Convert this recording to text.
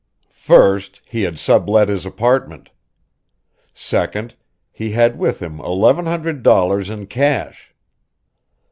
"First, he had sublet his apartment. Second, he had with him eleven hundred dollars in cash.